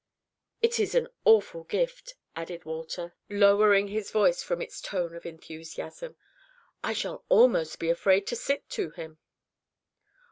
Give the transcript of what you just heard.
It is an awful gift," added Walter, lowering his voice from its tone of enthusiasm. "I shall be almost afraid to sit to him."